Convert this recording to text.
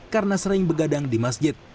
karena sering begadang di masjid